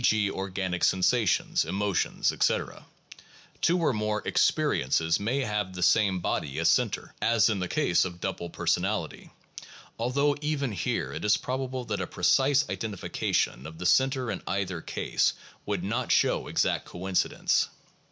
g., organic sensations, emotions, etc. Two or more experi ences may have the same body as center, as in the case of double personality, although even here it is probable that a precise identi fication of the center in either case would not show exact coin cidence.